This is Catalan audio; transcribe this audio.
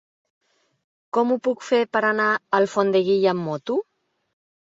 Com ho puc fer per anar a Alfondeguilla amb moto?